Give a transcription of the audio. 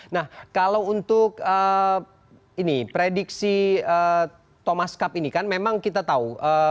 nah kalau untuk ini prediksi thomas cup ini kan memang kita tahu